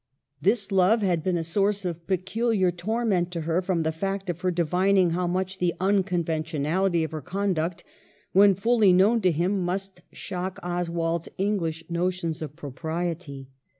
This love had been a source of peculiar torment to her from the fact qf her divining how much the unconventionality of her conduct, when fully known to him, must shock Oswald's English notions of propriety.